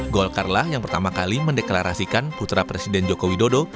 golkar lah yang pertama kali mendeklarasikan putra presiden joko widodo